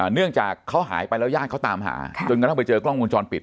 เนื่องจากเขาหายไปแล้วญาติเขาตามหาจนกระทั่งไปเจอกล้องวงจรปิด